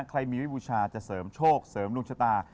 ใครมีไว้บูชาจะเสริมโชคเสริมดวงชะตา